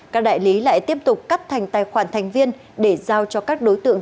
các đại lý lại tiếp tục cắt thành tài khoản thành viên để giao cho các đối tượng